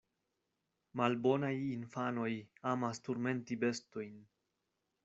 Malbonaj infanoj amas turmenti bestojn.